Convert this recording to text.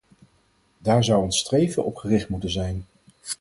Daar zou ons streven op gericht moeten zijn.